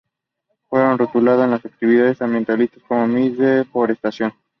Fue rotulada por los activistas ambientalistas como "Miss Deforestación".